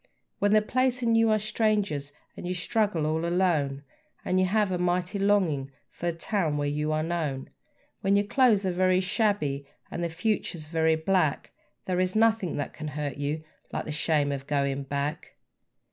When the place and you are strangers and you struggle all alone, And you have a mighty longing for the town where you are known; When your clothes are very shabby and the future's very black, There is nothing that can hurt you like the shame of going back.